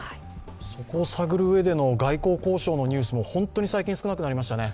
そこを探るうえでの外交交渉のニュースも少なくなりましたね。